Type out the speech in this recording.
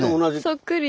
そっくり。